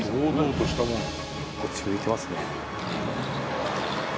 こっち向いてますね。